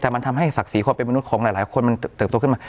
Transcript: แต่มันทำให้ศักดิ์ศรีความเป็นมนุษย์ของหลายคนมันเติบโตขึ้นมา